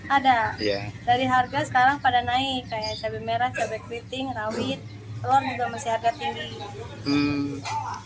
ada dari harga sekarang pada naik kayak cabai merah cabai keriting rawit telur juga masih harga tinggi